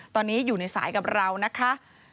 ตอนนี้อยู่ในสายกับเรานะคะ